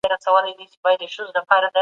د ځمکې پر مخ ټول انسانان د ژوند حق لري.